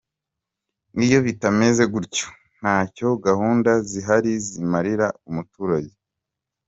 Iyo bitameze gutyo ntacyo gahunda zihari zimarira umuturage.